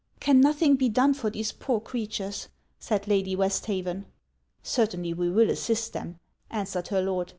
'Can nothing be done for these poor creatures?' said Lady Westhaven. 'Certainly we will assist them,' answered her Lord.